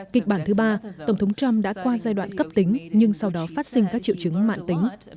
kịch bản thứ ba tổng thống trump đã qua giai đoạn cấp tính nhưng sau đó phát sinh các triệu chứng mạng tính